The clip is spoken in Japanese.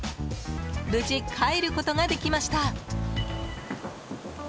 無事、帰ることができました。